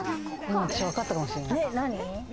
私、分かったかもしれない。